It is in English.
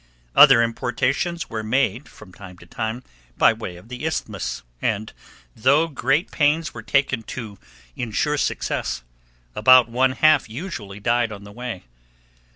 Other importations were made, from time to time, by way of the Isthmus, and, though great pains were taken to insure success, about one half usually died on the way.